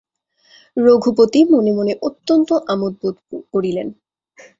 রঘুপতি মনে মনে অত্যন্ত আমোদ বোধ করিলেন।